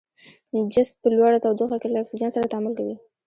جست په لوړه تودوخه کې له اکسیجن سره تعامل کوي.